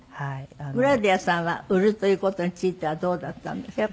クラウディアさんは売るという事についてはどうだったんですか？